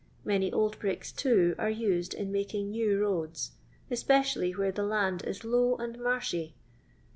Many old bricks, too, are used in making new roads, especially where the land .is low and marshy.